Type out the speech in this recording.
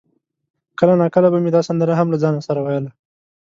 کله ناکله به مې دا سندره هم له ځانه سره ویله.